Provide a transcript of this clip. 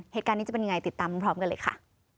เหตุการณ์นี้จะเป็นยังไงติดตามพร้อมกันเลยค่ะ